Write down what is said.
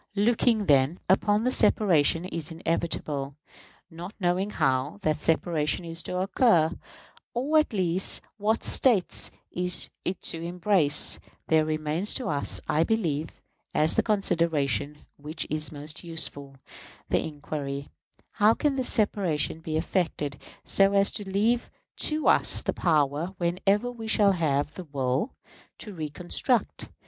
Looking, then, upon separation as inevitable, not knowing how that separation is to occur, or at least what States it is to embrace, there remains to us, I believe, as the consideration which is most useful, the inquiry, How can this separation be effected so as to leave to us the power, whenever we shall have the will, to reconstruct?